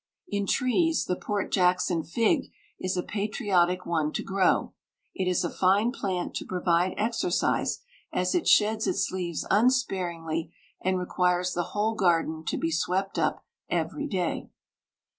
In trees the Port Jackson fig is a patriotic one to grow. It is a fine plant to provide exercise, as it sheds its leaves unsparingly, and requires the whole garden to be swept up every day.